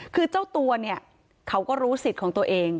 คือเจ้าตัวเนี่ยเขาก็รู้สิทธิ์ของตัวเอง